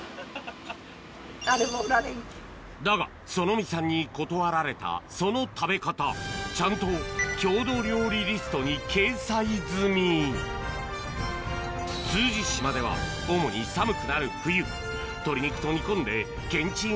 だがそのみさんに断られたその食べ方ちゃんと郷土料理リストに掲載済み通詞島では主に寒くなる冬鶏肉と煮込んでけんちん